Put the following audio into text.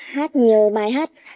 hát nhiều bài hát